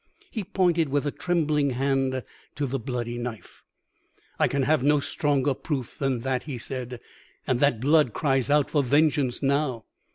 "He pointed with a trembling hand to the bloody knife. "'I can have no stronger proof than that,' he said, 'and that blood cries out for vengeance now.'